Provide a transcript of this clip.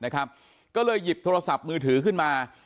ก็เลยหยิบโทรศัพท์มือถือขึ้นมา